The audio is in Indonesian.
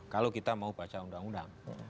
kalau kita mau baca undang undang